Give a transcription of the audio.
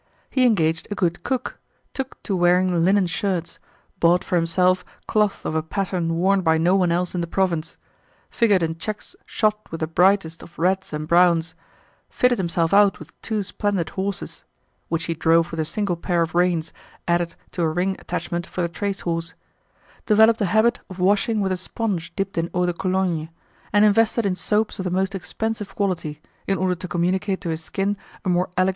He engaged a good cook, took to wearing linen shirts, bought for himself cloth of a pattern worn by no one else in the province, figured in checks shot with the brightest of reds and browns, fitted himself out with two splendid horses (which he drove with a single pair of reins, added to a ring attachment for the trace horse), developed a habit of washing with a sponge dipped in eau de Cologne, and invested in soaps of the most expensive quality, in order to communicate to his skin a more elegant polish.